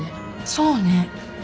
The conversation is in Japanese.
そうね